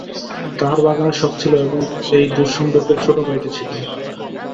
তাহার বাগানের শখ ছিল এবং এই দূরসম্পর্কের ছোটোভাইটি ছিল।